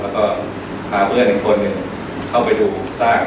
ก็พาเพื่อนหนึ่งคนหนึ่งเข้าไปดูสร้าง